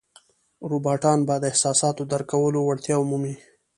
روباټان به د احساساتو درک کولو وړتیا ومومي.